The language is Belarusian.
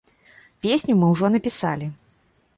Песню мы ўжо напісалі.